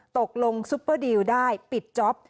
ตกลงซุปเปอร์ดีลได้ปิดจ๊อป